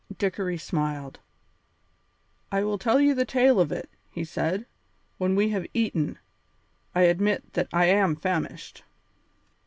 Dickory smiled. "I will tell you the tale of it," he said, "when we have eaten; I admit that I am famished."